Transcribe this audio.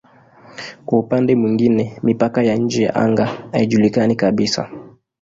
Kwa upande mwingine mipaka ya nje ya anga haijulikani kabisa.